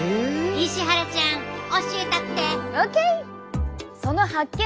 石原ちゃん教えたって！ＯＫ！